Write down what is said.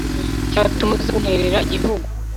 cyatuma uza kunterera igihugu